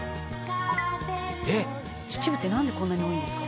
「秩父ってなんでこんなに多いんですか？」